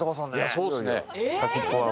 そうっすね。